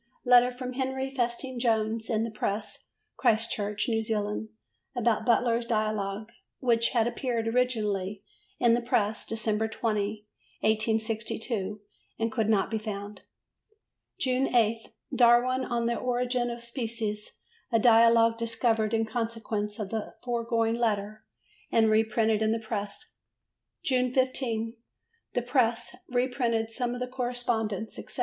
Letter from Henry Festing Jones in the Press, Christchurch, New Zealand, about Butler's Dialogue, which had appeared originally in the Press December 20, 1862, and could not be found. June 8. "Darwin on the Origin of Species. A Dialogue "discovered in consequence of the foregoing letter and reprinted in the Press. June 15. The Press reprinted some of the correspondence, etc.